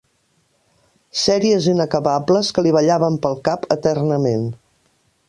Sèries inacabables que li ballaven pel cap eternament